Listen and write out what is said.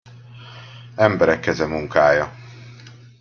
Emberek keze munkája!